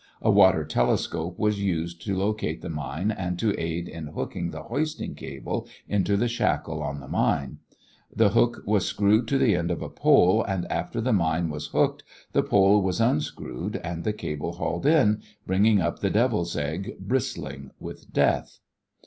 A water telescope was used to locate the mine and to aid in hooking the hoisting cable into the shackle on the mine. The hook was screwed to the end of a pole and after the mine was hooked, the pole was unscrewed and the cable hauled in, bringing up the "devil's egg" bristling with death.